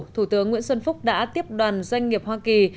thủ tướng nguyễn xuân phúc đã tiếp đoàn doanh nghiệp hoa kỳ